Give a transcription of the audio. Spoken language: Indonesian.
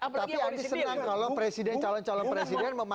tapi artinya senang kalau presiden calon calon presiden memakai